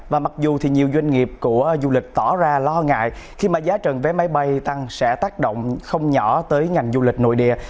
và mặc dù thì nhiều doanh nghiệp của du lịch tỏ ra lo ngại khi mà giá trần vé máy bay tăng sẽ tác động không nhỏ tới ngành du lịch nội địa